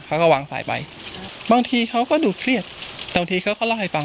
เขาก็วางสายไปบางทีเขาก็ดูเครียดบางทีเขาก็เล่าให้ฟัง